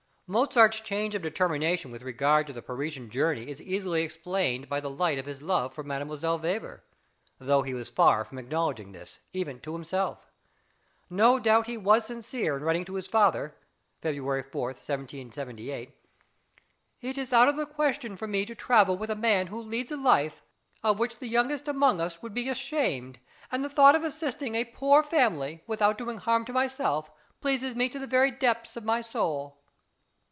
Mozart's change of determination with regard to the Parisian journey is easily explained by the light of his love for Mdlle. Weber, although he was far from acknowledging this, even to himself. No doubt he was sincere in writing to his father (February 4, 1778): "It is out of the question for me to travel with a man who leads a life of which the youngest among us would be ashamed, and the thought of assisting a poor family, without doing harm to myself, pleases me to the very depths of my soul."